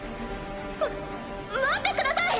ま待ってください！